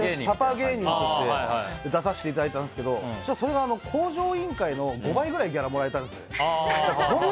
芸人として出させていただいたんですけどそれが「向上委員会」の５倍ぐらいギャラもらえたんですよ。